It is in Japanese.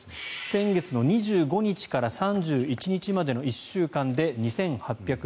先月２５日から３１日までの１週間で２８６１件。